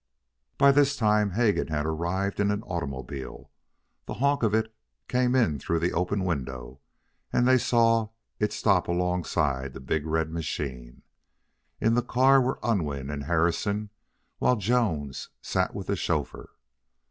By this time Hegan had arrived in an automobile. The honk of it came in through the open window, and they saw, it stop alongside the big red machine. In the car were Unwin and Harrison, while Jones sat with the chauffeur.